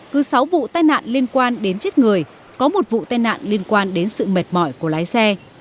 cứ sáu vụ tai nạn liên quan đến chết người có một vụ tai nạn liên quan đến sự mệt mỏi của lái xe